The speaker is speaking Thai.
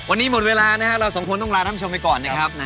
วันนี้หมดเวลานะครับเราสองคนต้องลาท่านผู้ชมไปก่อนนะครับ